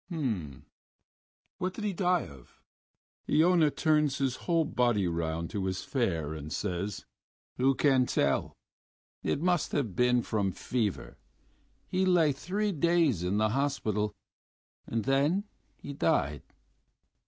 "H'm! What did he die of?" Iona turns his whole body round to his fare, and says: "Who can tell! It must have been from fever.... He lay three days in the hospital and then he died....